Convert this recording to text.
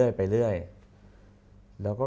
อเรนนี่แหละอเรนนี่แหละ